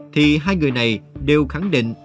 thì hai người này đều khẳng định